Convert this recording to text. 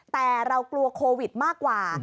แต่เรากลัวโควิดมากกว่า